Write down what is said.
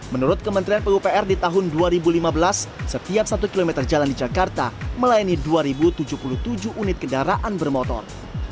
menurut kementerian pupr di tahun dua ribu lima belas setiap satu km jalan di jakarta melayani dua tujuh puluh tujuh unit kendaraan bermotor